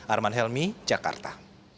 arman helmy jakarta